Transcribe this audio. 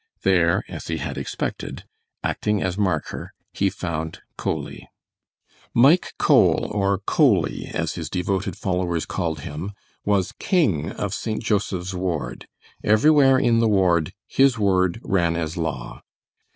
There, as he had expected, acting as marker, he found Coley. Mike Cole, or Coley, as his devoted followers called him, was king of St. Joseph's ward. Everywhere in the ward his word ran as law.